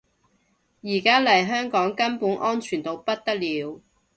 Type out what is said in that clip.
而家嚟香港根本安全到不得了